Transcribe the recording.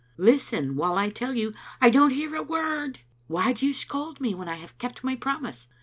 " Listen while I tell you "" I don't hear a word. Why do you scold me when I have kept my promise?